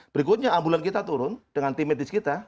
berikutnya ambulan kita turun dengan tim medis kita